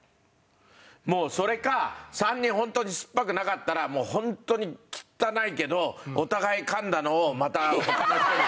もうそれか３人ホントにすっぱくなかったらホントに汚いけどお互い噛んだのをまた他の人に。